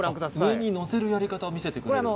上に載せるやり方を見せてくれる。